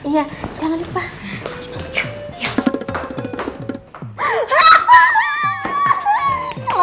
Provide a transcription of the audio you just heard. jangan lupa minum ya